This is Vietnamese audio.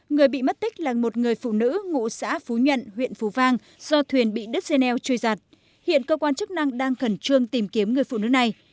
người bị mất tích là một người phụ nữ ngụ xã phú nhuận huyện phú vang do thuyền bị đứt xe neo chui giặt